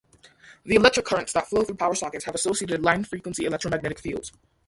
The electric currents that flow through power sockets have associated line-frequency electromagnetic fields.